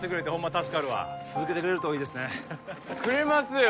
助かるわ続けてくれるといいですねくれますよ